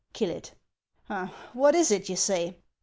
Kill it. — What is it, you say